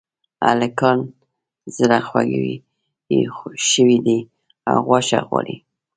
هلکان زړخوږي شوي دي او غوښه غواړي